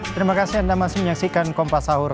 terima kasih anda masih menyaksikan kompas sahur